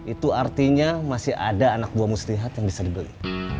itu artinya masih ada anak buah muslihat yang bisa dibeli